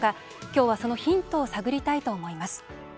今日は、そのヒントを探りたいと思います。